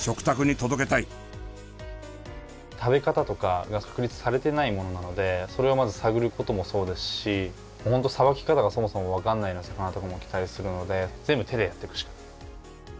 食べ方とかが確立されてないものなのでそれをまず探る事もそうですしホントさばき方がそもそもわからないような魚とかもきたりするので全部手でやっていくしかない。